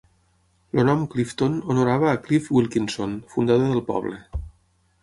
El nom Clifton honorava a Clift Wilkinson, fundador del poble.